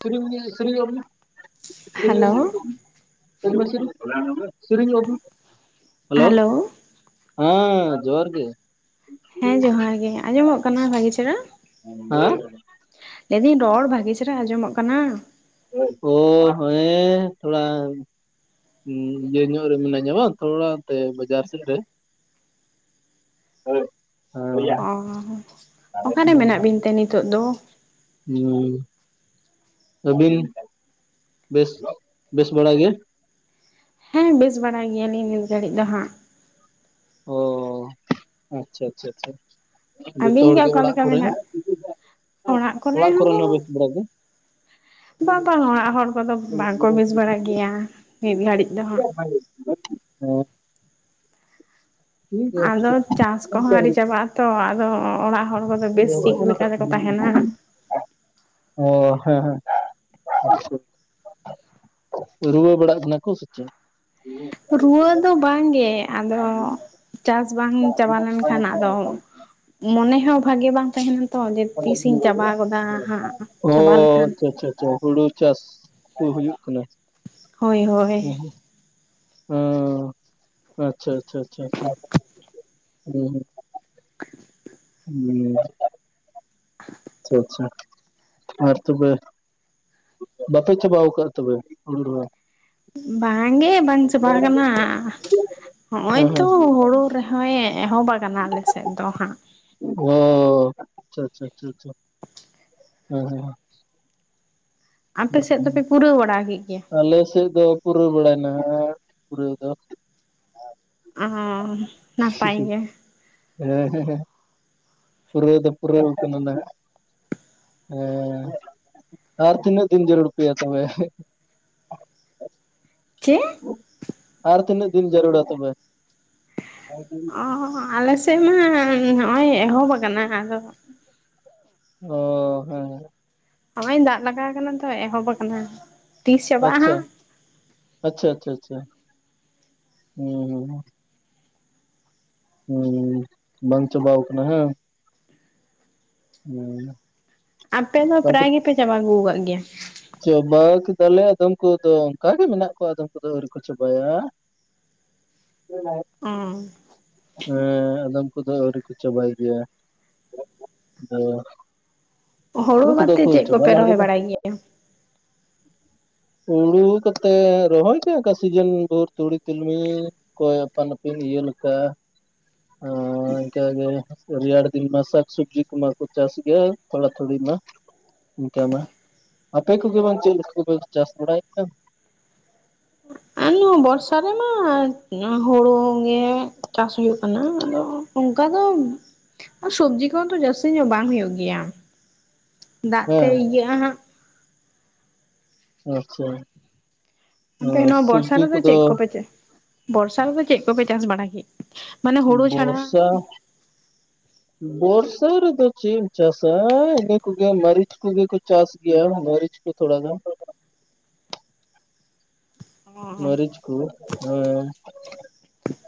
ᱥᱤᱨ ᱥᱤᱨ [unintelligible] [unintelligible] hello hello. ᱦᱟᱸ ᱡᱚᱸᱦᱟᱨ ᱜᱮ᱾ ᱦᱮᱸ ᱡᱚᱸᱦᱟᱨ ᱜᱮ ᱟᱸᱡᱚᱢᱚᱜ ᱠᱟᱱᱟ ᱵᱷᱟᱜᱮ ᱪᱮᱨᱦᱟ? ᱦᱮᱸ ᱞᱟᱹᱭᱫᱤᱧ ᱨᱚᱲ ᱵᱷᱟᱹᱜᱮ ᱪᱮᱦᱨᱟ ᱟᱸᱡᱚᱢᱚᱜ ᱠᱟᱱᱟ? ᱦᱳᱭ ᱦᱮᱸ ᱛᱷᱚᱲᱟᱝ ᱤᱭᱟᱹ ᱧᱚᱜ ᱨᱮ ᱢᱤᱱᱟᱹᱧᱟ ᱵᱟᱝ ᱛᱷᱚᱲᱟ ᱛᱮ ᱵᱟᱹᱡᱟᱨ ᱥᱮᱜ ᱨᱮ᱾ ᱦᱳᱭ᱾ ᱚᱻ ᱚᱠᱟᱨᱮ ᱢᱮᱱᱟᱜ ᱵᱤᱱ ᱛᱮ ᱱᱤᱛᱳᱜ ᱫᱚ? ᱦᱩᱸ᱾ ᱟᱹᱵᱤᱱ ᱵᱮᱥ ᱵᱮᱥ ᱵᱟᱲᱟ ᱜᱮ? ᱦᱮᱸ ᱵᱮᱥ ᱵᱟᱲᱟ ᱜᱮᱭᱟᱞᱤᱧ ᱱᱤᱛ ᱜᱷᱟᱹᱲᱤᱜ ᱫᱚ ᱦᱟᱸᱜ᱾ ᱚᱻ ᱟᱪᱪᱷᱟ ᱟᱪᱪᱷᱟ ᱟᱪᱪᱷᱟ ᱡᱷᱚᱛᱚ ᱟᱹᱵᱤᱱ ᱜᱮ ᱦᱚᱲᱜᱮ ᱚᱠᱟ ᱚᱲᱟᱜ ᱞᱮᱠᱟ ᱠᱚᱨᱮ ᱢᱮᱱᱟᱜ ᱦᱚᱸ? ᱚᱲᱟᱜ ᱠᱚᱨᱮᱱ ᱦᱚᱸ ᱵᱮᱥ ᱵᱟᱲᱟ ᱜᱮ? ᱵᱟᱝ ᱵᱟᱝ ᱚᱲᱟᱜ ᱦᱚᱲ ᱠᱚᱫᱚ ᱵᱟᱝᱠᱚ ᱵᱮᱥ ᱵᱟᱲᱟᱜ ᱜᱮᱭᱟ ᱱᱤᱛ ᱜᱷᱟᱹᱲᱤᱡ ᱫᱚ ᱦᱟᱸᱜ [unintelligible] ᱚᱸᱻ᱾ ᱟᱫᱚ ᱪᱟᱥ ᱠᱚᱦᱚᱸ ᱟᱹᱨᱤ ᱪᱟᱵᱟᱜ ᱟᱛᱚ ᱟᱫᱚ ᱚᱲᱟᱜ ᱦᱚᱲ ᱠᱚᱫᱚ ᱵᱮᱥ ᱴᱷᱤᱠ ᱞᱮᱠᱟ ᱛᱮᱠᱚ ᱛᱟᱦᱮᱱᱟ᱾ ᱜᱮᱭᱟ। ᱚ ᱦᱮᱸ ᱦᱮᱸ᱾ ᱨᱩᱣᱟᱹ ᱵᱟᱲᱟᱜ ᱠᱟᱱᱟ ᱠᱚ ᱥᱮ ᱪᱮᱫ? ᱨᱩᱣᱟᱹ ᱫᱚ ᱵᱟᱝᱜᱮ ᱟᱫᱚ, ᱪᱟᱥ ᱵᱟᱝ ᱪᱟᱵᱟ ᱞᱮᱱᱠᱷᱟᱱ ᱟᱫᱚ ᱢᱚᱱᱮ ᱦᱚᱸ ᱵᱷᱟᱜᱮ ᱵᱟᱝ ᱛᱟᱦᱮᱸᱱᱟ᱾ ᱚᱻ ᱪᱟᱵᱟ ᱞᱮᱠᱷᱟᱱ ᱟᱪᱪᱷᱟ ᱟᱪᱪᱷᱟ ᱟᱪᱪᱷᱟ ᱦᱲᱩᱩ ᱪᱟᱥ ᱠᱚ ᱦᱩᱭᱩᱜ ᱠᱟᱱᱟ᱾ ᱦᱳᱭ ᱦᱳᱭ᱾ ᱦᱚᱸ ᱟᱪᱪᱷᱟ ᱟᱪᱪᱷᱟ ᱟᱪᱪᱷᱟ ᱟᱪᱪᱷᱟ ᱦᱩᱸ᱾ ᱩᱢ᱾ [inaudible] ᱟᱪᱪᱷᱟ ᱟᱪᱪᱷᱟ ᱟᱨ ᱛᱚᱵᱮ ᱵᱟᱯᱮ ᱪᱟᱵᱟᱣ ᱠᱟᱜ ᱛᱚᱵᱮ ᱦᱩᱲᱩ ᱨᱚᱦᱚᱭ? ᱵᱟᱝᱜᱮ ᱵᱟᱝ ᱪᱟᱵᱟ ᱠᱟᱱᱟ ᱦᱮᱸ ᱦᱚᱜᱼᱚᱭ ᱛᱚ ᱦᱮᱸ ᱦᱩᱲᱩ ᱨᱮᱦᱚᱸᱭ ᱮᱦᱚᱵ ᱠᱟᱱᱟ ᱟᱞᱮ ᱥᱮᱫ ᱫᱚ ᱦᱟᱸᱜ ᱾ ᱚᱻ ᱟᱪᱪᱷᱟ ᱟᱪᱪᱷᱟ ᱟᱪᱪᱷᱟ᱾ ᱦᱸᱩ ᱦᱸᱩ᱾ ᱟᱯᱮ ᱥᱮᱫ ᱦᱮᱸ ᱫᱚᱯᱮ ᱯᱩᱨᱟᱹᱣ ᱵᱟᱲᱟ ᱠᱮᱜ ᱜᱮᱭᱟ? ᱟᱞᱮ ᱥᱮᱫ ᱫᱚ ᱯᱩᱨᱟᱹᱣ ᱵᱟᱲᱟᱭᱱᱟ ᱯᱩᱨᱟᱹᱣ ᱫᱚ ᱾ ᱟᱦᱻ ᱱᱟᱯᱟᱭ ᱜᱮ, ᱮ ᱦᱮᱸ ᱦᱮᱸ ᱯᱩᱨᱟᱹᱣ ᱫᱚ ᱯᱩᱨᱟᱹᱣ ᱠᱟᱱᱟ ᱱᱟᱦᱟᱜ᱾ ᱦᱮᱻ ᱟᱨ ᱛᱤᱱᱟᱹᱜ ᱫᱤᱱ ᱡᱟᱹᱨᱩᱲ ᱟᱯᱮᱭᱟ ᱛᱚᱵᱮ? ᱪᱮᱫ? ᱟᱨ ᱛᱤᱱᱟᱹᱜ ᱫᱤᱱ ᱡᱟᱹᱨᱩᱲᱟ ᱛᱚᱵᱮ? ᱦᱚ ᱦᱚ ᱦᱚ ᱟᱞᱮ ᱥᱮᱫ ᱢᱟ, ᱱᱚᱜᱼᱚᱭ ᱮᱦᱚᱵ ᱠᱟᱱᱟ ᱟᱫᱚ ᱚᱻ ᱱᱚᱜ-ᱚᱭ ᱫᱟᱜ ᱞᱟᱜᱟᱣ ᱠᱟᱱᱟ ᱛᱚ, ᱮᱦᱚᱵ ᱟᱠᱟᱱᱟ ᱾ ᱟᱪᱪᱷᱟ, ᱟᱪᱪᱷᱟ ᱟᱪᱪᱷᱟ ᱟᱪᱪᱷᱟ, ᱦᱩᱸ ᱻ ᱦᱩᱸᱻ ᱵᱟᱝ ᱪᱟᱵᱟᱣ ᱠᱟᱱᱟ ᱦᱮᱸ? ᱦᱮᱸ, ᱟᱯᱮ ᱫᱚ ᱚᱠᱟ ᱠᱚ ᱯᱨᱟᱭ ᱜᱮᱯᱮ ᱪᱟᱵᱟ ᱟᱹᱜᱩ ᱠᱟᱜ ᱜᱮᱭᱟ? ᱪᱟᱵᱟ ᱠᱮᱫᱟᱞᱮ ᱟᱫᱚᱢ ᱠᱚᱫ ᱚᱱᱠᱟ ᱜᱮ ᱢᱮᱱᱟᱜ ᱠᱚᱣᱟ, ᱟᱫᱚᱢ ᱠᱚᱫ ᱫᱚ ᱟᱹᱣᱨᱤ ᱠᱚ ᱪᱟᱵᱟᱭᱟ ᱾ [unintelligible] ᱚᱻ ᱦᱮᱸᱻ ᱟᱫᱚᱢ ᱠᱚᱫᱚ ᱟᱹᱣᱨᱤ ᱠᱚ ᱪᱟᱵᱟᱭ ᱜᱮᱭᱟ, ᱟᱫᱚ ᱦᱳᱲᱳ ᱚᱠᱚᱭ ᱠᱚᱫᱚ ᱵᱟᱫᱛᱮ ᱠᱚ ᱪᱮᱫ ᱪᱟᱵᱟ ᱠᱚᱯᱮ ᱞᱟᱦᱟ ᱨᱚᱦᱚᱭ ᱠᱮᱫᱟ ᱵᱟᱲᱟᱭ ᱜᱮᱭᱟ? ᱦᱩᱲᱩ ᱦᱩᱭ ᱠᱟᱛᱮ ᱨᱚᱦᱚᱭ ᱠᱮᱭᱟ ᱚᱱᱠᱟ ᱥᱤᱡᱮᱱ ᱡᱳᱨ ᱛᱩᱲᱤ ᱛᱤᱞᱢᱤᱧ, ᱠᱚᱭ ᱟᱯᱟᱱ ᱟᱹᱯᱤᱱ ᱤᱭᱟᱹ ᱞᱮᱠᱟ ᱾ ᱚᱻ ᱚᱝᱠᱟ ᱜᱮ ᱨᱮᱭᱟᱲ ᱫᱤᱱ ᱢᱟ ᱥᱟᱠ ᱥᱚᱵᱡᱤ ᱠᱚᱢᱟ ᱠᱚ ᱪᱟᱥ ᱜᱮ, ᱛᱷᱚᱲ ᱛᱷᱳᱲᱟᱛᱷᱩᱲᱤ ᱢᱟ ᱤᱱᱠᱟ ᱢᱟ, ᱟᱯᱮ ᱠᱚᱜᱮ ᱵᱟᱝ ᱪᱮᱫ ᱞᱮᱠᱟ ᱪᱟᱥ ᱵᱟᱲᱟᱭᱮᱫ ᱠᱟᱱ? ᱱᱚᱭᱟ ᱵᱚᱨᱥᱟ ᱨᱮᱢᱟ ᱦᱳᱲᱳ ᱜᱮ, ᱪᱟᱥ ᱦᱳᱭᱳᱜ ᱠᱟᱱᱟ, ᱟᱫᱚ ᱚᱱᱠᱟ ᱫᱚ ᱟᱨ ᱥᱚᱵᱽᱡᱤ ᱠᱚᱦᱚᱸ ᱛᱚ ᱡᱟᱹᱥᱛᱤ ᱧᱚᱜ ᱵᱟᱝ ᱦᱩᱭᱩᱜ ᱜᱮᱭᱟ, ᱫᱟᱜ ᱛᱮ ᱦᱮᱸ ᱤᱭᱟᱹᱜᱼᱟ ᱦᱟᱸᱜ ᱾ ᱟᱪᱪᱷᱟ, ᱟᱯᱮ ᱱᱚᱣᱟ ᱵᱚᱨᱥᱟ ᱥᱚᱵᱽᱡᱤ ᱨᱮᱫᱚ ᱠᱚᱫᱚ ᱪᱮᱫ ᱠᱚᱯᱮ, ᱪᱮ ᱵᱚᱨᱥᱟ ᱨᱮᱫᱚ ᱪᱮᱫ ᱠᱚᱯᱮ ᱪᱟᱥ ᱵᱟᱲᱟ ᱠᱮᱜ ᱢᱟᱱᱮ ᱦᱳᱲᱳ ᱪᱷᱟᱲᱟ, ᱵᱚᱨᱥᱟ ᱵᱚᱨᱥᱟ ᱨᱮᱫᱚ ᱪᱮᱫ ᱮᱢ ᱪᱟᱥᱟ, ᱤᱱᱟᱹ ᱠᱚᱜᱮ ᱢᱟᱹᱨᱤᱪ ᱠᱚᱜᱮ ᱠᱚ ᱪᱟᱥ ᱜᱮᱭᱟ ᱢᱟᱹᱨᱤᱪ ᱠᱚ ᱛᱷᱚᱲᱟ ᱜᱟᱱ ᱾ ᱢᱟᱹᱨᱤᱪ ᱠᱚ ᱦᱮ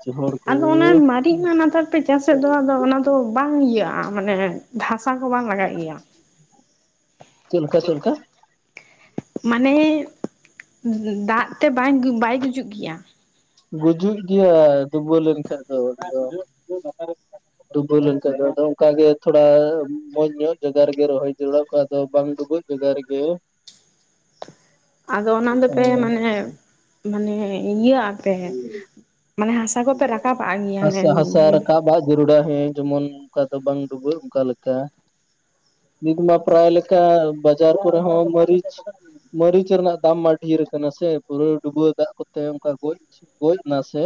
ᱡᱚᱦᱚᱲ ᱟᱫᱚ ᱚᱱᱟ ᱢᱟᱨᱤᱡ ᱢᱟ ᱱᱮᱛᱟᱨ ᱯᱮ ᱪᱟᱥᱮᱜ ᱫᱚ, ᱟᱫᱚ ᱚᱱᱟ ᱫᱚ ᱵᱟᱝ ᱤᱭᱟᱹᱜᱼᱟ ᱢᱟᱱᱮ ᱫᱷᱟᱥᱟ ᱠᱚ ᱵᱟᱝ ᱞᱟᱜᱟᱜ ᱜᱮᱭᱟ? ᱪᱮᱫ ᱞᱮᱠᱟ ᱪᱮᱫ ᱞᱮᱠᱟ ᱢᱟᱱᱮ, ᱫᱟᱜ ᱛᱮ ᱵᱟᱧ ᱵᱟᱭ ᱜᱩᱡᱩᱜ ᱜᱮᱭᱟ? ᱜᱩᱡᱩᱜ ᱜᱮᱭᱟ ᱰᱩᱵᱟᱹᱣ ᱞᱮᱱᱠᱷᱟᱡ ᱫᱚ ᱰᱩᱵᱟᱹᱣ ᱞᱮᱱᱠᱷᱟᱱ ᱫᱚ ᱟᱫᱚ ᱚᱱᱠᱟ ᱜᱮ, ᱛᱷᱚᱲᱟ ᱢᱚᱸᱡᱽ ᱧᱚᱜ ᱡᱟᱜᱟ ᱨᱮᱜᱮ ᱨᱚᱦᱚᱭ ᱡᱟᱹᱨᱩᱲᱟ ᱠᱟ ᱫᱚ ᱵᱟᱝ ᱰᱩᱵᱩᱡ ᱡᱟᱜᱟ ᱨᱮᱜᱮ, [unintelligible] ᱟᱫᱚ ᱚᱱᱟ ᱫᱚᱯᱮ ᱢᱟᱱᱮ, ᱢᱟᱱᱮ ᱤᱭᱟᱹᱜ ᱟ ᱯᱮ ᱢᱟᱱᱮ ᱦᱟᱥᱟ ᱠᱚᱯ ᱦᱟᱥᱟ ᱦᱟᱥᱟ ᱨᱟᱠᱟᱵ, ᱵᱟᱜ ᱡᱟᱹᱨᱩᱲᱟ ᱦᱩᱸ, ᱡᱮᱢᱚᱱ ᱚᱱᱠᱟ ᱫᱚ ᱵᱟᱝ ᱰᱩᱵᱟᱹᱜ ᱚᱱᱠᱟ ᱞᱮᱠᱟ᱾ ᱱᱤᱛ ᱢᱟ ᱯᱨᱟᱭ ᱞᱮᱠᱟ ᱵᱟᱡᱟᱨ ᱠᱚᱨᱮ ᱦᱚᱸ ᱢᱟᱹᱨᱤᱪ, ᱢᱟᱹᱨᱤᱪ ᱨᱮᱱᱟᱜ ᱫᱟᱢ ᱢᱟ ᱰᱷᱮᱨ ᱟᱠᱟᱱᱟ ᱥᱮ, ᱯᱩᱨᱟᱹ ᱰᱩᱵᱟᱹ ᱫᱟᱜ ᱠᱚᱛᱮ ᱚᱱᱠᱟ ᱜᱚᱡ ᱜᱚᱡᱽ ᱱᱟ ᱥᱮ᱾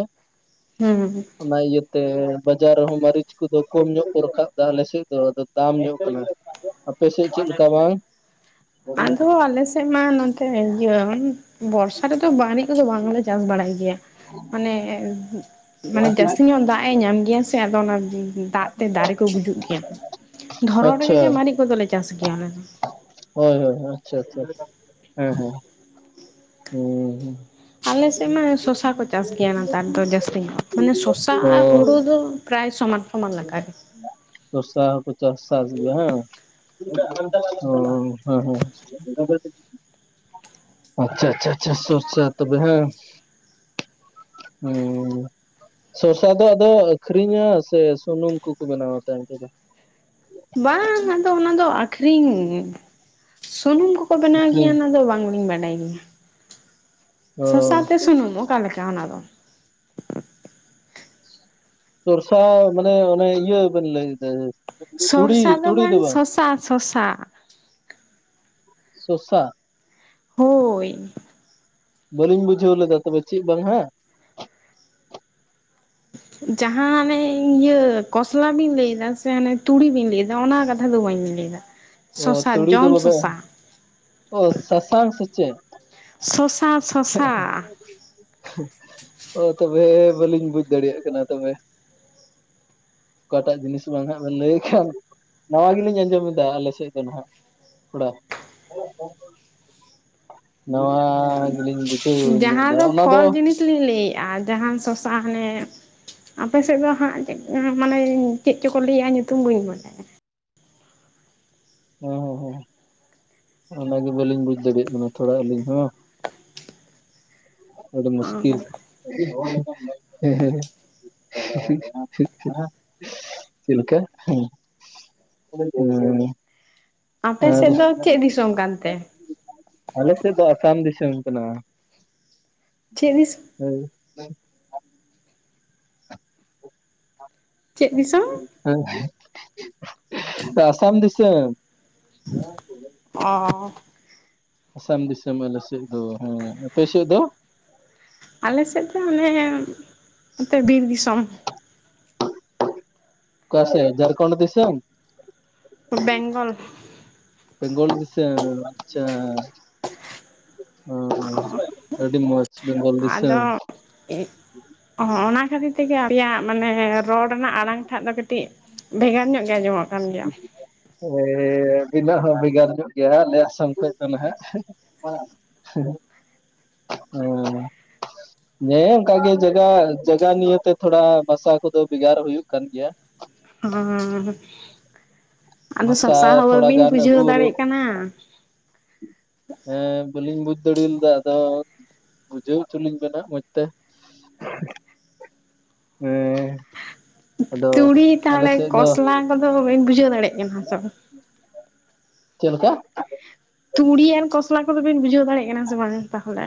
ᱦᱩᱸ᱾ ᱚᱱᱟ ᱤᱭᱟᱹ ᱛᱮ, ᱵᱟᱡᱟᱨ ᱨᱮᱦᱚᱸ ᱢᱟᱹᱨᱤᱪ ᱠᱚᱫᱚ ᱠᱚᱢ ᱧᱚᱜ ᱠᱚ ᱨᱟᱠᱟᱵ ᱫᱟ ᱟᱞᱮ ᱥᱮᱫ ᱫᱚ, ᱟᱫᱚ ᱫᱟᱢ ᱧᱚᱜ ᱠᱟᱱᱟ᱾ ᱟᱯᱮ ᱥᱮᱫ ᱪᱮᱫ ᱞᱮᱠᱟ ᱵᱟᱝ? ᱟᱫᱚ ᱟᱞᱮ ᱥᱮᱫ ᱢᱟ ᱱᱚᱱᱛᱮ ᱤᱭᱟᱹ ᱵᱚᱨᱥᱟ ᱨᱮᱫᱚ [unintelligible] ᱠᱚᱫᱚ ᱵᱟᱝᱞᱮ ᱪᱟᱥ ᱵᱟᱲᱟᱭ ᱜᱮᱭᱟ ᱢᱟᱱᱮ ᱢᱟᱱᱮ ᱡᱟᱹᱥᱛᱤ ᱧᱚᱜ ᱫᱟᱜ-ᱮ ᱧᱟᱢ ᱜᱮᱭᱟ ᱥᱮ ᱟᱫᱚ ᱚᱱᱟ ᱫᱟᱜ ᱛᱮ ᱫᱟᱨᱮ ᱠᱚ ᱜᱩᱡᱩᱜ ᱜᱮᱭᱟ ᱫᱷᱚᱨᱚᱱ ᱨᱮᱜᱮ ᱟᱪᱪᱷᱟ ᱡᱟ ᱢᱟᱹᱨᱤᱪ ᱠᱚᱫᱚᱞᱮ ᱪᱟᱥ ᱜᱮᱭᱟ ᱟᱞᱮ ᱫᱚ᱾ ᱦᱳᱭ ᱦᱳᱭ ᱟᱪᱪᱷᱟ ᱟᱪᱪᱷᱟ ᱦᱮᱸ ᱦᱮᱸ᱾ ᱦᱩᱸ ᱦᱩᱸ᱾ ᱟᱞᱮ ᱥᱮᱫ ᱢᱟ ᱥᱚᱥᱟ ᱠᱚ ᱪᱟᱥ ᱜᱮᱭᱟ ᱱᱮᱛᱟᱨ ᱫᱚ ᱡᱟᱹᱥᱛᱤ ᱧᱚᱜ, ᱢᱟᱱᱮ ᱥᱚᱥᱟ ᱚ ᱟᱨ ᱦᱩᱲᱩ ᱫᱚ ᱯᱨᱟᱭ ᱥᱚᱢᱟᱱ ᱥᱚᱢᱟᱱ ᱞᱮᱠᱟᱜ ᱜᱮ᱾ ᱥᱚᱥᱟ ᱦᱚᱸᱠᱚ ᱪᱟᱥ ᱥᱟᱥ ᱜᱮᱭᱟ ᱦᱮᱸ? ᱚ ᱦᱮᱸ ᱦᱮᱸ᱾ ᱟᱪᱪᱷᱟ ᱟᱪᱪᱷᱟ ᱟᱪᱪᱷᱟ ᱥᱚᱥᱟ ᱛᱚᱵᱮ ᱦᱮᱸ, ᱦᱩᱸ᱾ ᱥᱚᱥᱟ ᱫᱚ ᱟᱫᱚ ᱟᱹᱷᱨᱤᱧᱟ ᱥᱮ ᱥᱩᱱᱩᱢ ᱠᱚᱠᱚ ᱵᱮᱱᱟᱣᱟ ᱟᱯᱮ ᱚᱱᱛᱮ ᱫᱚ? ᱵᱟᱝ ᱟᱱ ᱫᱚ ᱚᱱᱟ ᱫᱚ ᱟᱠᱷᱨᱤᱧ, ᱥᱩᱱᱩᱢ ᱠᱚᱠᱚ ᱵᱮᱱᱟᱣ ᱜᱮᱭᱟ ᱟᱹᱠᱷᱨᱤᱧ ᱚᱱᱟ ᱫᱚ ᱵᱟᱝᱞᱤᱧ ᱵᱟᱰᱟᱭ ᱜᱮᱭᱟ᱾ ᱚ ᱥᱚᱥᱟ ᱛᱮ ᱥᱩᱱᱩᱢ ᱚᱠᱟ ᱞᱮᱠᱟ ᱚᱱᱟ ᱫᱚ? ᱥᱚᱨᱥᱟ ᱢᱟᱱᱮ ᱚᱱᱮ ᱤᱭᱟᱹ ᱵᱮᱱ ᱞᱟᱹᱭᱫᱟ, ᱛᱩᱲᱤ ᱥᱚᱨᱥᱟ ᱫᱚ ᱵᱟᱝ ᱥᱚᱥᱟ ᱥᱚᱥᱟ᱾ ᱥᱚᱥᱟ? ᱦᱳᱭ᱾ ᱵᱟᱹᱞᱤᱧ ᱵᱩᱡᱷᱟᱹᱣ ᱞᱮᱫᱟ ᱛᱚᱵᱮ ᱪᱮᱫ ᱵᱟᱝ ᱦᱟᱸᱜ? ᱡᱟᱦᱟᱸ ᱦᱟᱱᱮ ᱤᱭᱟᱹ ᱠᱚᱥᱞᱟ ᱵᱤᱱ ᱞᱮᱭᱫᱟ ᱥᱮ ᱦᱟᱱᱮ ᱛᱩᱲᱤ ᱵᱤᱱ ᱞᱮᱭᱮᱫᱟ ᱚᱱᱟ ᱠᱟᱛᱷᱟ ᱫᱚ ᱵᱟᱹᱧ ᱞᱮᱭ [unintelligible] ᱚ ᱛᱩᱲᱤ ᱫᱚ ᱵᱟᱵᱮ, ᱚ ᱥᱟᱥᱟᱝ ᱥᱮ ᱪᱮᱫ? ᱥᱚᱥᱟ ᱥᱚᱥᱟ᱾ ᱚ ᱛᱚᱵᱮ ᱵᱟᱹᱞᱤᱧ ᱵᱩᱡᱽ ᱫᱟᱲᱮᱭᱟᱜ ᱠᱟᱱᱟ ᱛᱚᱵᱮ᱾ ᱚᱠᱟᱴᱟᱜ ᱡᱤᱱᱤᱥ ᱵᱟᱝ ᱦᱟᱸᱜ ᱵᱮᱱ ᱞᱟᱹᱭ ᱠᱷᱟᱱ, ᱱᱟᱣᱟ ᱜᱮᱞᱤᱧ ᱟᱸᱡᱚᱢ ᱮᱫᱟ ᱟᱞᱮ ᱥᱮ ᱪᱮᱫ ᱫᱚ ᱱᱟᱦᱟᱜ ᱛᱷᱚᱲᱟ, ᱱᱟᱣᱟ ᱜᱮᱞᱤᱧ ᱵᱩᱡᱷᱟᱹᱣ ᱧᱚᱜ ᱫᱟ ᱡᱟᱦᱟᱸ ᱚᱱᱟ ᱫᱚ ᱯᱷᱚᱞ ᱡᱤᱱᱤᱥ ᱞᱤᱧ ᱞᱮᱭᱮᱜᱼᱟ ᱡᱟᱦᱟᱱ ᱥᱚᱥᱟ ᱦᱟᱱᱮ ᱟᱯᱮ ᱥᱮᱫ ᱫᱚ ᱦᱟᱸᱜ ᱪᱮᱫ ᱢᱟᱱᱮ ᱪᱮᱫ ᱪᱚᱠᱚ ᱞᱮᱭᱟ ᱧᱩᱛᱩᱢ ᱵᱟᱹᱧ ᱵᱟᱰᱟᱭᱟ᱾ ᱚ ᱦᱚ, ᱚᱱᱟᱜᱮ ᱵᱟᱹᱞᱤᱧ ᱵᱩᱡᱽ ᱫᱟᱲᱮᱭᱟᱜ ᱠᱟᱱᱟ ᱛᱷᱚᱲᱟ ᱟᱹᱞᱤᱧ ᱦᱚᱸ᱾ ᱟᱹᱰᱤ ᱢᱩᱥᱠᱤᱞ, ᱚ ᱦᱮᱸ ᱦᱮᱸ᱾ ᱪᱮᱫ ᱞᱮᱠᱟ? [unintelligible] ᱟᱯᱮ ᱟᱨ ᱥᱮᱫ ᱫᱚ ᱪᱮᱫ ᱫᱤᱥᱚᱢ ᱠᱟᱱᱛᱮ? ᱟᱞᱮ ᱥᱮᱫ ᱫᱚ ᱟᱥᱟᱢ ᱫᱤᱥᱚᱢ ᱠᱟᱱᱟ᱾ ᱪᱮᱫ ᱫᱤᱥᱚ? ᱦᱳᱭ᱾ ᱪᱮᱫ ᱫᱤᱥᱚ? ᱦᱮᱸ, ᱟᱥᱟᱢ ᱫᱤᱥᱟᱹᱢ᱾ ᱚ᱾ ᱟᱥᱟᱢ ᱫᱤᱥᱟᱹᱢ ᱟᱞᱮ ᱥᱮᱫ ᱫᱚ ᱦᱮᱸ, ᱟᱯᱮ ᱥᱮᱫ ᱫᱚ? ᱟᱞᱮ ᱥᱮᱫ ᱫᱚ ᱢᱟᱱᱮ ᱱᱚᱛᱮ ᱵᱤᱨ ᱫᱤᱥᱚᱢ᱾ ᱚᱠᱟ ᱥᱮᱜ ᱡᱷᱟᱲᱠᱷᱚᱸᱰ ᱫᱤᱥᱟᱹᱢ? ᱵᱮᱝᱜᱚᱞ᱾ ᱵᱮᱝᱜᱚᱞ ᱫᱤᱥᱟᱹᱢ᱾ [unintelligible] [unintelligible] ᱚ, ᱚ ᱟᱹᱰᱤ ᱢᱚᱸᱡᱽ ᱵᱮᱝᱜᱚᱞ ᱫᱤᱥᱟᱹᱢ᱾ ᱚ ᱚᱱᱟ ᱠᱷᱟᱹᱛᱤᱨ ᱛᱮᱜᱮ ᱟᱯᱮᱭᱟᱜ ᱢᱟᱱᱮ, ᱨᱚᱲ ᱨᱮᱱᱟᱜ ᱟᱲᱟᱝ ᱴᱷᱟᱜ ᱫᱚ ᱠᱟᱹᱴᱤᱡᱼᱼ ᱵᱷᱮᱜᱟᱨ ᱧᱚᱜ ᱜᱮ ᱟᱸᱡᱚᱢᱚᱜ ᱠᱟᱱ ᱜᱮᱭᱟ᱾ ᱮ ᱟᱵᱤᱱᱟᱹᱜ ᱦᱚ ᱵᱷᱮᱜᱟᱨ ᱧᱚᱜ ᱜᱮᱭᱟ᱾ ᱦᱟᱜ ᱟᱞᱮ ᱟᱥᱟᱢ [unintelligible] ᱠᱷᱚᱡ ᱫᱚ ᱱᱟᱦᱟᱜ [unintelligible] [inaudible] ᱦᱮᱸ ᱦᱮᱸ ᱚᱱᱠᱟ ᱜᱮ ᱡᱟᱜᱟ, ᱡᱟᱜᱟ ᱱᱤᱭᱟᱹᱛᱮ ᱛᱷᱚᱲᱟ ᱵᱷᱟᱥᱟ ᱠᱚᱫᱚ ᱵᱷᱮᱜᱟᱨ ᱦᱳᱭᱳᱜ ᱠᱟᱱ ᱜᱮᱭᱟ᱾ ᱦᱚᱸ, ᱦᱚᱸ, ᱟᱫᱚ ᱵᱷᱟᱥᱟ ᱥᱚᱥᱟ [unintelligible] ᱦᱚᱸ ᱛᱷᱚᱲᱟ ᱵᱟᱹᱵᱤᱱ ᱜᱟᱱ ᱵᱩᱡᱷᱟᱹᱣ ᱟᱵᱚ ᱫᱟᱲᱮᱜ ᱠᱟᱱᱟ᱾ [inaudible] ᱦᱮᱸ, ᱵᱟᱹᱞᱤᱧ ᱵᱩᱡ ᱫᱟᱲᱤ ᱞᱤᱫᱟ ᱟᱫᱚ, ᱵᱩᱡᱷᱟᱹᱣ ᱦᱚᱪᱚᱞᱤᱧ ᱵᱮᱱ ᱦᱟᱸᱜ ᱢᱚᱡᱽ ᱛᱮ᱾ [inaudible] ᱦᱮᱸ ᱟᱫᱚ ᱛᱩᱲᱤ ᱟᱞᱮ ᱛᱟᱦᱚᱞᱮ, ᱥᱮᱫ ᱫᱚ ᱠᱚᱥᱞᱟ ᱠᱚᱫᱚ ᱵᱤᱱ ᱫᱟᱲᱮᱜ ᱠᱟᱱᱟ ᱥᱮ ᱵᱟᱝ᱾ ᱪᱮᱫ ᱞᱮᱠᱟ? ᱛᱩᱲᱤ ᱟᱨ ᱠᱷᱚᱥᱞᱟ ᱠᱚᱫᱚ ᱵᱤᱱ ᱵᱩᱡᱷᱟᱹᱣ ᱫᱟᱲᱮᱜ ᱠᱟᱱᱟ ᱥᱮ ᱵᱟᱝ ᱛᱟᱦᱚᱞᱮ?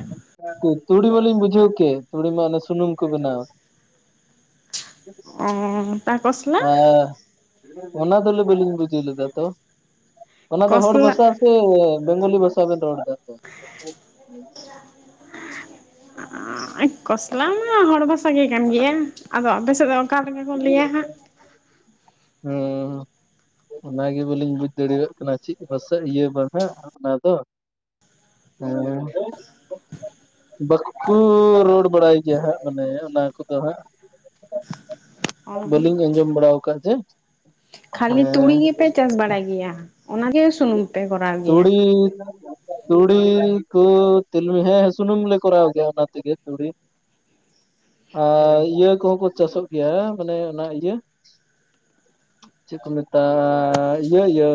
ᱛᱩᱲᱤ ᱢᱟᱞᱤᱧ ᱵᱩᱡᱷᱟᱹᱣ ᱠᱮᱫ, ᱛᱩᱲᱤ ᱢᱟ ᱚᱱᱮ ᱥᱩᱱᱩᱢ ᱠᱚ ᱵᱮᱱᱟᱣᱟ᱾ [unintelligible] ᱟᱸ ᱚᱱᱟ ᱫᱚᱞᱮ ᱵᱟᱹᱞᱤᱧ ᱵᱩᱡᱟᱹ ᱞᱮᱫᱟ ᱛᱚ᱾ ᱚᱱᱟ ᱫᱚ ᱦᱚᱲ ᱠᱚᱥᱞᱟ ᱵᱟᱥᱟ ᱥᱮ ᱵᱮᱝᱜᱚᱞᱤ ᱵᱟᱥᱟ ᱵᱮᱱ ᱨᱚᱲ ᱟᱜ ᱛᱟᱦᱮᱸ᱾ [inaudible] ᱠᱚᱥᱞᱟ ᱢᱟ ᱦᱚᱲ ᱵᱷᱟᱥᱼᱼ [unintelligible] ᱠᱟᱱ ᱜᱮᱭᱟ᱾ ᱟᱫᱚ ᱟᱯᱮ ᱥᱮᱫ ᱫᱚ ᱚᱠᱟ ᱞᱮᱠᱟ ᱠᱚ ᱞᱟᱹᱭᱟ ᱦᱟᱸᱜ᱾ ᱦᱚᱸ ᱚᱱᱟᱜᱮ ᱵᱟᱞᱤᱧ ᱵᱩᱡᱽ ᱫᱟᱲᱤᱣᱟᱜ ᱠᱟᱱᱟ ᱪᱤᱫ ᱵᱷᱟᱥᱟ, ᱤᱭᱟᱹ ᱵᱟᱦᱟ ᱚᱱᱟ ᱫᱚ᱾ ᱦᱮᱸ [inaudible] ᱵᱟᱠᱩᱻᱻ ᱨᱚᱲ ᱵᱟᱲᱟᱭ ᱜᱮᱭᱟ ᱦᱟᱸᱜ ᱢᱟᱱᱮᱼᱼ ᱚᱱᱟ ᱠᱚᱫᱚ ᱦᱟᱸᱜ᱾ ᱚ ᱵᱟᱹᱞᱤᱧ ᱟᱸᱡᱚᱢ ᱵᱟᱲᱟ ᱟᱠᱟ ᱡᱮᱼᱼ ᱠᱷᱟᱹᱞᱤ ᱛᱩᱲᱤ ᱜᱮᱯᱮ ᱪᱟᱥ ᱵᱟᱲᱟᱭ ᱜᱮᱭᱟ᱾ ᱚᱱᱟᱜᱮ ᱥᱩᱱᱩᱢ ᱯᱮ ᱠᱚᱨᱟᱣ ᱜᱮᱭᱟ ᱛᱩᱲᱤ ᱛᱩᱲᱤ ᱠᱚ, ᱛᱤᱞᱢᱤ, ᱦᱮᱸ ᱥᱩᱱᱩᱢ ᱞᱮ ᱠᱚᱨᱟᱣ ᱜᱮᱭᱟ ᱚᱱᱟ ᱛᱮᱜᱮ, ᱛᱩᱲᱤᱼᱼ ᱟᱨ ᱤᱭᱟᱹ ᱠᱚᱦᱚᱸ ᱠᱚ ᱪᱟᱥᱚᱜ ᱜᱮᱭᱟ, ᱢᱟᱱᱮ ᱚᱱᱟ ᱤᱭᱟᱹᱼᱼ ᱪᱤᱜ ᱠᱚ ᱢᱮᱛᱟᱣᱟᱜ-ᱟ, ᱤᱭᱟᱹ, ᱤᱭᱟᱹ᱾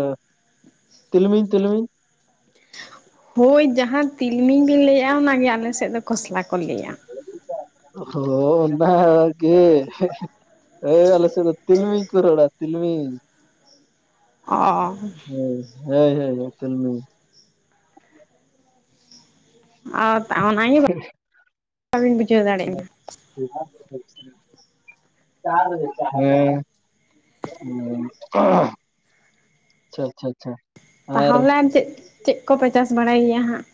ᱛᱤᱞᱢᱤᱧ, ᱛᱤᱞᱢᱤᱧ᱾ [inaudible] ᱦᱳᱭ ᱡᱟᱦᱟᱸ ᱛᱤᱞᱢᱤᱧ ᱵᱤᱱ ᱞᱟᱹᱭᱮᱜ-ᱟ᱾ ᱚᱱᱟᱜᱮ ᱟᱞᱮ ᱥᱮᱫ ᱫᱚ ᱠᱷᱚᱥᱞᱟ ᱠᱚ ᱞᱟᱹᱭᱟ᱾ ᱦᱚᱸ ᱚᱱᱟ ᱜᱮ᱾ ᱳᱭ ᱟᱞᱮ ᱥᱮᱫ ᱫᱚ ᱛᱤᱞᱢᱤᱧ ᱠᱚ ᱨᱚᱲᱼᱟ, ᱛᱤᱞᱢᱤᱧ᱾ [unintelligible] ᱦᱚᱭ, ᱦᱚᱭ, ᱦᱚᱭ ᱛᱤᱞᱢᱤᱧ᱾ ᱟᱨ ᱚᱱᱟ ᱜᱮ [unintelligible] ᱵᱤᱱ ᱵᱩᱡᱷᱟᱹᱣ ᱫᱟᱲᱮᱜ ᱦᱮᱸ ᱠᱟᱱᱟ᱾ [unintelligible] [unintelligible] ᱟᱪᱷᱟ, ᱟᱪᱷᱟ, ᱟᱪᱷᱟ᱾ ᱛᱟᱦᱚᱞᱮ ᱪᱮᱜ ᱪᱮᱜ ᱠᱚᱯᱮ ᱪᱟᱥ ᱵᱟᱲᱟᱭ ᱜᱮᱭᱟ ᱦᱟᱜ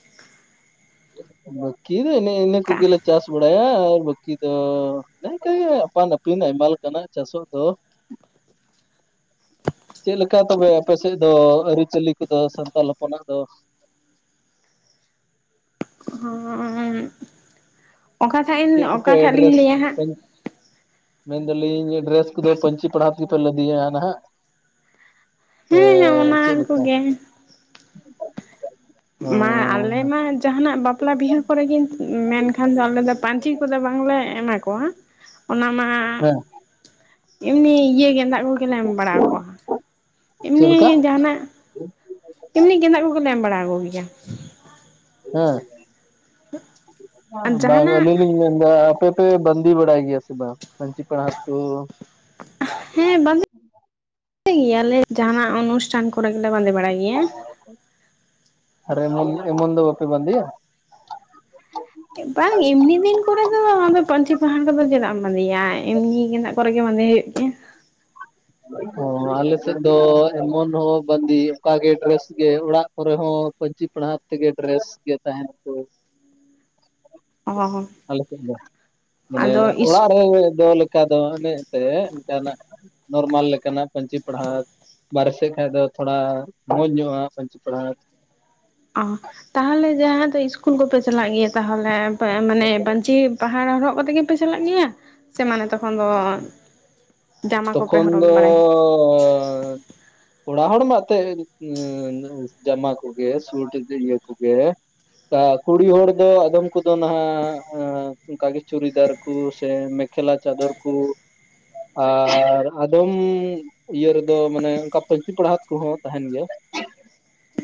[inaudible] ᱵᱟᱠᱤ ᱫᱚ ᱮᱱᱮ ᱤᱱᱟᱹ ᱠᱟ ᱠᱚᱜᱮᱞᱮ ᱪᱟᱥ ᱵᱟᱲᱟᱭᱟ ᱟᱨ ᱵᱟᱠᱤ ᱫᱚ ᱱᱮᱠᱟ ᱜᱮ ᱟᱯᱟᱱᱯ ᱟᱭᱢᱟ ᱞᱮᱠᱟᱱᱟᱜ ᱪᱟᱥᱚᱜ ᱫᱚ [inaudible] ᱪᱮᱜ ᱞᱮᱠᱟ ᱛᱚᱵᱮ ᱟᱯᱮ ᱥᱮᱜ ᱫᱚ ᱟᱹᱨᱤ ᱪᱟᱹᱞᱤ ᱠᱚᱫᱚ ᱥᱟᱱᱛᱟᱞ ᱦᱚᱯᱚᱱᱟᱜ ᱫᱚ [unintelligible] ᱚᱠᱟᱴᱟᱜ ᱤᱧ ᱪᱮᱜ ᱠᱚᱯ ᱚᱠᱟᱴᱟᱜ ᱞᱤᱧ ᱮᱰᱮᱨᱮᱥ ᱞᱟᱹᱭᱟ ᱦᱟᱸᱜ [unintelligible] ᱢᱮᱱᱫᱟᱞᱤᱧ ᱰᱨᱮᱥ ᱠᱚᱫᱚ ᱯᱟᱹᱧᱪᱤ ᱯᱟᱲᱦᱟ ᱛᱮᱜᱮᱯᱮ ᱞᱟᱫᱮᱭᱟ ᱱᱟᱦᱟᱜ ᱥᱮ ᱦᱮᱸ ᱚᱱᱟ ᱪᱮᱜ ᱞᱮᱠᱟ ᱠᱚᱜᱮ ᱢᱟ ᱟᱞᱮ ᱢᱟ ᱡᱟᱦᱟ ᱱᱟᱜ ᱵᱟᱯᱞᱟ ᱵᱤᱦᱟᱹ ᱠᱚᱨᱮ ᱜᱮ ᱢᱮᱱᱠᱷᱟᱱ ᱫᱚ ᱟᱞᱮᱫ ᱫᱚ ᱯᱟᱧᱪᱤ ᱠᱚᱫᱚ ᱵᱟᱝᱞᱮ ᱮᱢᱟ ᱠᱚᱣᱟ ᱚᱱᱟ ᱢᱟ ᱦᱮᱸ ᱮᱢᱱᱤ ᱤᱭᱟᱹ ᱜᱮᱫᱟᱜ ᱠᱚᱜᱮᱞᱮ ᱮᱢ ᱵᱟᱲᱟ ᱠᱚᱣᱟ ᱪᱮᱫ ᱮᱢᱱᱤ ᱞᱮᱠᱟ ᱡᱟᱦᱟᱱᱟᱜ ᱮᱢᱱᱤ ᱜᱮᱫᱟᱜ ᱠᱚᱜᱮᱞᱮ ᱮᱢ ᱵᱟᱲᱟ ᱠᱚᱜᱮᱭᱟ ᱦᱮ ᱟᱨ ᱵᱟᱝ ᱡᱟᱦᱟᱱᱟᱜ ᱟᱹᱞᱤᱧ ᱞᱤᱧ ᱢᱮᱱ ᱫᱟ ᱟᱯᱮ ᱯᱮ ᱵᱟᱹᱱᱫᱤ ᱵᱟᱲᱟᱭ ᱜᱮᱭᱟ ᱥᱮ ᱵᱟ ᱯᱟᱹᱧᱪᱤ ᱯᱟᱲᱦᱟᱛ ᱠᱩ ᱦᱮ ᱵᱟᱫᱮ [inaudible] ᱜᱮᱭᱟᱞᱮ ᱡᱟᱦᱱᱟᱜ ᱚᱱᱩᱥᱴᱷᱟᱱ ᱠᱚᱨᱮ ᱜᱮᱞᱮ ᱵᱟᱫᱮ ᱵᱟᱲᱟᱭ ᱜᱮᱭᱟ ᱟᱨ ᱮᱢᱚᱱ ᱮᱢᱚᱱ ᱫᱚ ᱵᱟᱯᱮ ᱵᱟᱫᱭᱟ ᱵᱟᱝ ᱮᱢᱱᱤ ᱫᱤᱱ ᱠᱚᱨᱮ ᱫᱚ ᱟᱫᱚ ᱯᱟᱹᱧᱪᱤ ᱯᱟᱲᱦᱟᱴ ᱠᱚᱫᱚ ᱪᱮᱫᱟᱜ ᱮᱢ ᱵᱟᱫᱮᱭᱟ ᱮᱢᱱᱤ ᱜᱮᱫᱟᱜ ᱠᱚᱨᱮ ᱜᱮ ᱵᱟᱫᱮ ᱦᱚᱭᱚᱜ ᱜᱮᱭᱟ ᱚ ᱟᱞᱮ ᱥᱮᱫ ᱫᱚ ᱮᱢᱚᱱ ᱦᱚ ᱵᱟᱫᱤ ᱚᱱᱠᱟᱜᱮ ᱰᱨᱮᱥ ᱜᱮ ᱚᱲᱟᱜ ᱠᱚᱨᱮ ᱦᱚ ᱯᱟᱹᱧᱪᱤ ᱯᱟᱲᱦᱟᱛ ᱛᱮᱜᱮ ᱰᱨᱮᱥ ᱜᱮ ᱛᱟᱦᱮᱱᱟ ᱠᱩ [unintelligible] ᱚ ᱟᱞᱮ ᱥᱮᱫ ᱫᱚ ᱢᱟᱱᱮ ᱟᱫᱚ ᱤᱥ ᱚᱲᱟᱜ ᱨᱮ ᱡᱟ ᱞᱮᱼᱼ ᱚᱱᱠᱟ ᱫᱚ [unintelligible] ᱚᱱᱠᱟᱱᱟᱜ ᱱᱚᱨᱢᱟᱞ ᱞᱮᱠᱟᱱᱟᱜ ᱯᱟᱹᱧᱪᱤ ᱯᱟᱲᱦᱟᱛ ᱵᱟᱨᱦᱮ ᱥᱮᱜ ᱠᱷᱟᱡ ᱫᱚ ᱛᱷᱚᱲᱟ ᱢᱚᱡ ᱧᱚᱜ ᱟᱜ ᱯᱟᱹᱧᱪᱤ ᱯᱟᱲᱦᱟᱛ ᱚ ᱛᱟᱦᱚᱞᱮ ᱡᱟᱦᱟ ᱫᱚ ᱤᱥᱠᱩᱞ ᱠᱚᱯᱮ ᱪᱟᱞᱟᱜ ᱜᱮᱭᱟ ᱛᱟᱦᱚᱞᱮ ᱢᱟᱱᱮ ᱵᱟᱹᱧᱪᱤ ᱯᱟᱦᱟᱲ ᱦᱚᱨᱚᱜ ᱠᱟᱛᱮ ᱜᱮᱯᱮ ᱪᱟᱞᱟᱜ ᱜᱮᱭᱟ ᱥᱮ ᱢ [unintelligible] ᱫᱚ ᱡᱟᱢᱟ ᱠᱚᱯᱮ ᱛᱚᱠᱷᱚᱱ ᱦᱚᱨᱚᱜ ᱫᱚ ᱵᱟᱲᱟᱭ ᱚᱲᱟ ᱦᱚᱲ [unintelligible] ᱛᱮ [unintelligible] ᱡᱚᱢᱟ ᱠᱚᱜᱮ ᱥᱩᱴ ᱜᱮ ᱤᱭᱟᱹ ᱠᱚᱜᱮ ᱠᱟ ᱠᱩᱲᱤ ᱦᱚᱲ ᱫᱚ ᱟᱫᱚᱢ ᱠᱚᱫᱚ ᱱᱟᱜ ᱚᱱᱠᱟ ᱜᱮ ᱪᱩᱨᱤᱫᱟᱨ ᱠᱩ ᱥᱮ ᱢᱮᱠᱷᱮᱞᱟ ᱪᱟᱫᱚᱨ ᱠᱩ ᱟᱨ ᱟᱫᱚᱢ ᱤᱭᱟᱹ ᱨᱮᱫᱚ ᱢᱟᱱᱮ ᱚᱱᱠᱟ ᱯᱟᱹᱧᱪᱤ ᱯᱟᱲᱦᱛ ᱠᱚᱦᱚ ᱛᱟᱦᱮᱱ ᱜᱮᱭᱟ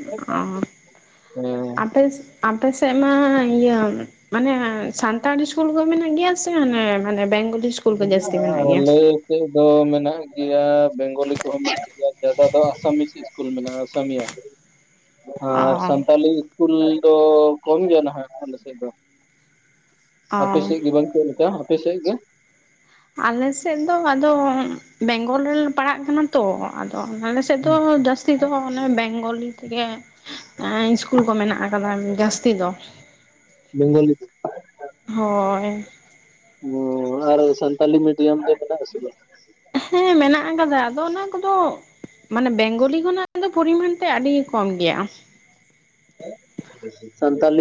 [inaudible] ᱦᱮ [inaudible] ᱟᱯᱮᱥᱮᱜ ᱢᱟ ᱤᱭᱟᱹ ᱢᱟᱱᱮ ᱥᱟᱱᱛᱟᱲᱤ ᱥᱠᱩᱞ ᱠᱚ ᱢᱮᱱᱟᱜ ᱜᱮᱭᱟ ᱥᱮ ᱢᱟᱱᱮ ᱢᱟᱱᱮ ᱵᱮᱝᱜᱚᱞᱤ ᱥᱼᱼ [unintelligible] ᱥᱮᱫ ᱫᱚ ᱢᱮᱱᱟᱜ ᱜᱮᱭᱟ ᱵᱮᱝᱜᱚᱞᱤ ᱠᱚᱦᱚ ᱢᱮᱱᱟᱜ ᱜᱮᱭᱟ [unintelligible] ᱫᱚ ᱟᱥᱟᱢᱤᱥᱤ ᱥᱠᱩᱞ ᱢᱮᱱᱟᱜᱼᱟ ᱟᱥᱟᱢᱤᱭᱟ ᱟᱨ ᱚ ᱥᱟᱱᱛᱟᱞᱤ ᱠᱩᱞ ᱫᱚ ᱠᱚᱢ ᱜᱮᱭᱟ ᱱᱟᱜ ᱟᱞᱮ ᱥᱮᱮᱫ ᱫᱚ ᱚ ᱟᱯᱮ ᱥᱮᱜ ᱜᱮ ᱵᱚᱝ ᱪᱮᱜ ᱞᱮᱠᱟ ᱟᱯᱮ ᱥᱮᱜ ᱜᱮ ᱟᱞᱮᱥᱮᱜ ᱫᱚ ᱟᱫᱚ ᱵᱮᱝᱜᱚᱞ ᱨᱮᱞᱮ ᱯᱟᱲᱟᱜ ᱠᱟᱱᱟ ᱛᱚ ᱟᱫᱚ ᱟᱞ ᱥᱮᱜ ᱫᱚ ᱡᱟᱹᱥᱛᱤ ᱫᱚ ᱚᱱᱮ ᱵᱮᱝᱜᱚᱞᱤ ᱛᱮᱜᱮ ᱮᱸ ᱤᱥᱠᱩᱞ ᱠᱚ ᱢᱮᱱᱟᱜ ᱠᱟᱫᱟ ᱡᱟᱹᱥᱛᱤ ᱫᱚ᱾ [unintelligible] [unintelligible] ᱦᱳᱭ᱾ ᱚᱻ ᱚᱱᱟ ᱟᱨᱚ ᱥᱟᱱᱛᱟᱞᱤ ᱢᱤᱰᱤᱭᱟᱢ ᱫᱚ ᱢᱮᱱᱟᱜ-ᱟ ᱥᱮ ᱵᱟᱝ? ᱦᱮᱸ ᱢᱮᱱᱟᱜ ᱟᱠᱟᱫᱟ ᱟᱫᱚ ᱚᱱᱟ ᱠᱚᱫᱚ ᱢᱟᱱᱮ ᱵᱮᱝᱜᱚᱞᱤ ᱠᱷᱚᱱᱟᱜ ᱫᱚ ᱯᱚᱨᱤᱢᱟᱱ ᱛᱮ ᱟᱹᱰᱤ ᱠᱚᱢ ᱜᱮᱭᱟ᱾ ᱥᱟᱱᱛᱟᱞᱤ